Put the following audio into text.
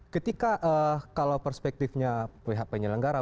ketika kalau perspektifnya pihak penyelenggara